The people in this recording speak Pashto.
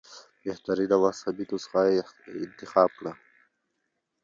بهترینه مذهبي نسخه انتخاب کړو.